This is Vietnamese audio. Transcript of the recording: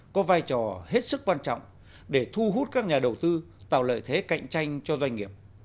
có vai trò hết sức quan trọng để thu hút các nhà đầu tư tạo lợi thế cạnh tranh cho doanh nghiệp